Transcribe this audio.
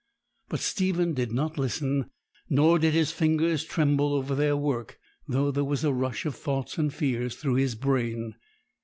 But Stephen did not listen, nor did his fingers tremble over their work, though there was a rush of thoughts and fears through his brain.